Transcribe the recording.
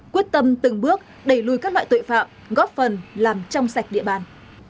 quyết tâm từng bước đẩy lùi các loại tội phạm góp phần làm trong sạch địa bàn